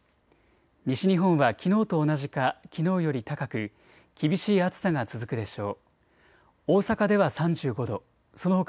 西日本はきのうと同じかきのうより高く厳しい暑さが続くでしょう。